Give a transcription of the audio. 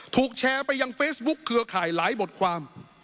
ถูกแชร์ไปยังเฟซบุ๊คเครือข่ายหลายบทความ